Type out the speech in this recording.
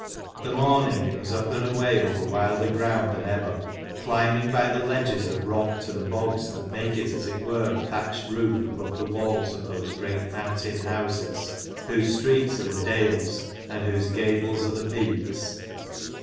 The morning it was up and away over wilder ground than ever, climbing by the ledges of rock to the bogs that make as it were a thatched roof above the walls of those great mountain houses, whose streets are the dales, and whose gables are the peaks.